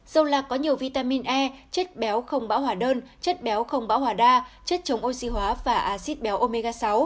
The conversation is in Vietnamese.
dầu lạc có nhiều vitamin e chất béo không bão hòa đơn chất béo không bão hòa đa chất chống oxy hóa và acid béo omega sáu